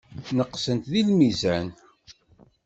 Neqsent deg lmizan.